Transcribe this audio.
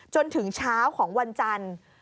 จนถึงเช้าของวันจันทร์